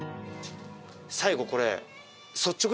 最後これ。